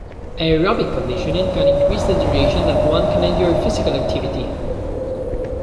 Aerobic conditioning can increase the duration that one can endure physical activity.